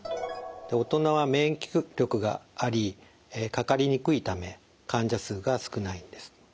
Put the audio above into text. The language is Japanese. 大人は免疫力がありかかりにくいため患者数が少ないんです。